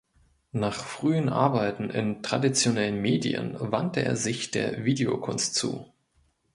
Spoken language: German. Nach frühen Arbeiten in traditionellen Medien wandte er sich der Videokunst zu.